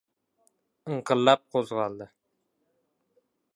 Inqillab qo‘zg‘oldi.